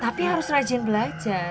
tapi harus rajin belajar